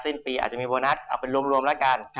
สิ้นปีอาจจะมีบวนัสออกเป็นรวมละกัน